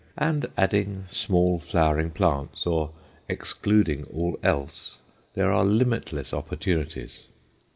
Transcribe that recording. And adding small flowering plants, or excluding all else, there are limitless opportunities.